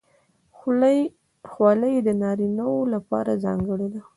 خولۍ د نارینه وو لپاره ځانګړې ده.